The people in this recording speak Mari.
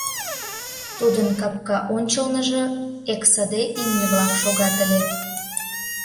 Тудын капка ончылныжо эксыде имне-влак шогат ыле.